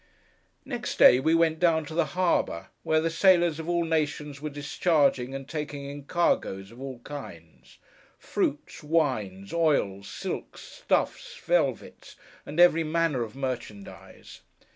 Next day we went down to the harbour, where the sailors of all nations were discharging and taking in cargoes of all kinds: fruits, wines, oils, silks, stuffs, velvets, and every manner of merchandise.